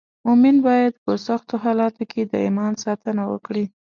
مومن باید په سختو حالاتو کې د ایمان ساتنه وکړي.